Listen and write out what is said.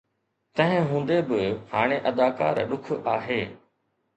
تنهن هوندي به، هاڻي اداڪار ڏک آهي